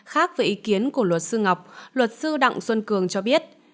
khác với ý kiến của luật sư ngọc luật sư đặng xuân cường cho biết